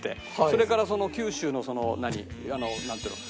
それから九州のあのなんていうの？